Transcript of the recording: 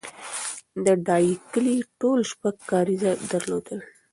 د ډایی کلی ټول شپږ کارېزه درلودل